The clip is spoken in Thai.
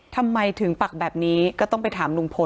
ทำไมถึงปักแบบนี้ก็ต้องไปถามลุงพล